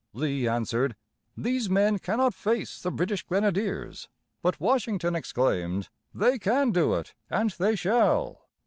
Lee answered: "These men cannot face the British grenadiers." But Washington exclaimed: "They can do it, and they shall!"